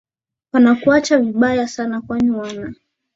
wanakuacha vibaya sana kwani wana